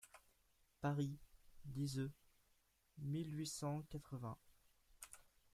(Paris, Liseux, mille huit cent quatre-vingts.